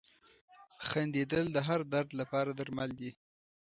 • خندېدل د هر درد لپاره درمل دي.